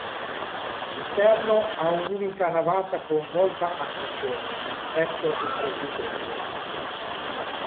L'interno ha un'unica navata con volta a crociera presso il presbiterio.